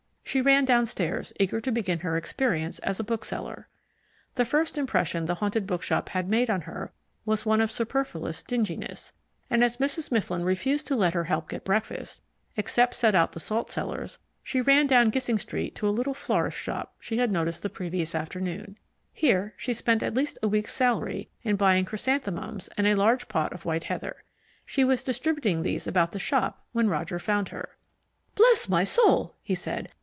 She ran downstairs, eager to begin her experience as a bookseller. The first impression the Haunted Bookshop had made on her was one of superfluous dinginess, and as Mrs. Mifflin refused to let her help get breakfast except set out the salt cellars she ran down Gissing Street to a little florist's shop she had noticed the previous afternoon. Here she spent at least a week's salary in buying chrysanthemums and a large pot of white heather. She was distributing these about the shop when Roger found her. "Bless my soul!" he said.